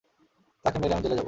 তাকে মেরে আমি জেলে যাব।